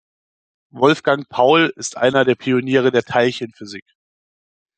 Wolfgang Paul ist einer der Pioniere der Teilchenphysik.